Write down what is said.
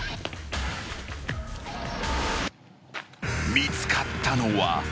［見つかったのは］